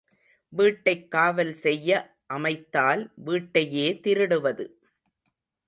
வீட்டைக் காவல் செய்ய அமைத்தால் வீட்டையே திருடுவது!